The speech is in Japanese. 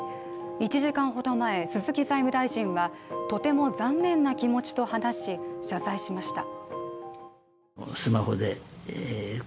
一時間ほど前、鈴木財務大臣はとても残念な気持ちと話し、謝罪しました。